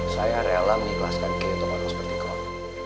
saya rela mengikhlaskan kay untuk orang seperti kau